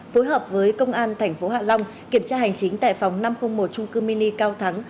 phối hợp với công an tp hạ long kiểm tra hành chính tại phòng năm trăm linh một trung cư mini cao thắng